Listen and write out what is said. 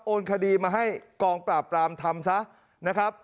โอนคดีมาให้กองปราบรามทำซะ